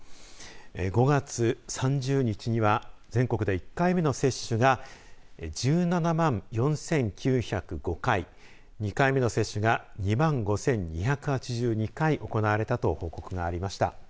５月３０日には全国で１回目の接種が１７万４９０５回２回目の接種が２万５２８２回行われたと報告がありました。